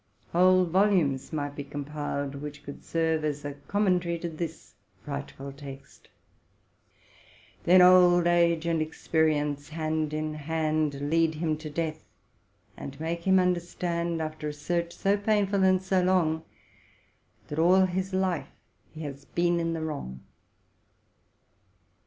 Whole 162 TRUTH AND FICTION volumes might be compiled, which could serve as a commen tary to this frightful text :— "Then old age and experience, hand in hand, Lead him to death, and make him understand, After a search so painful and so long, That all his life he has been in the wrong."